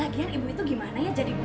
lagian ibu itu gimana ya jadi ibu